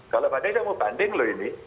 kalau ada yang mau banding loh ini